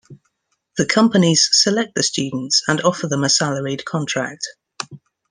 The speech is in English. The companies select the students and offer them a salaried contract.